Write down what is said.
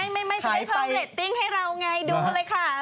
ไม่ไม่ใช่เพิ่มเร็ดติ้งให้เราไงดูเลยค่ะ